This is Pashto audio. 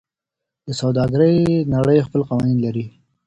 د سوداګرۍ نړۍ خپل قوانین لري.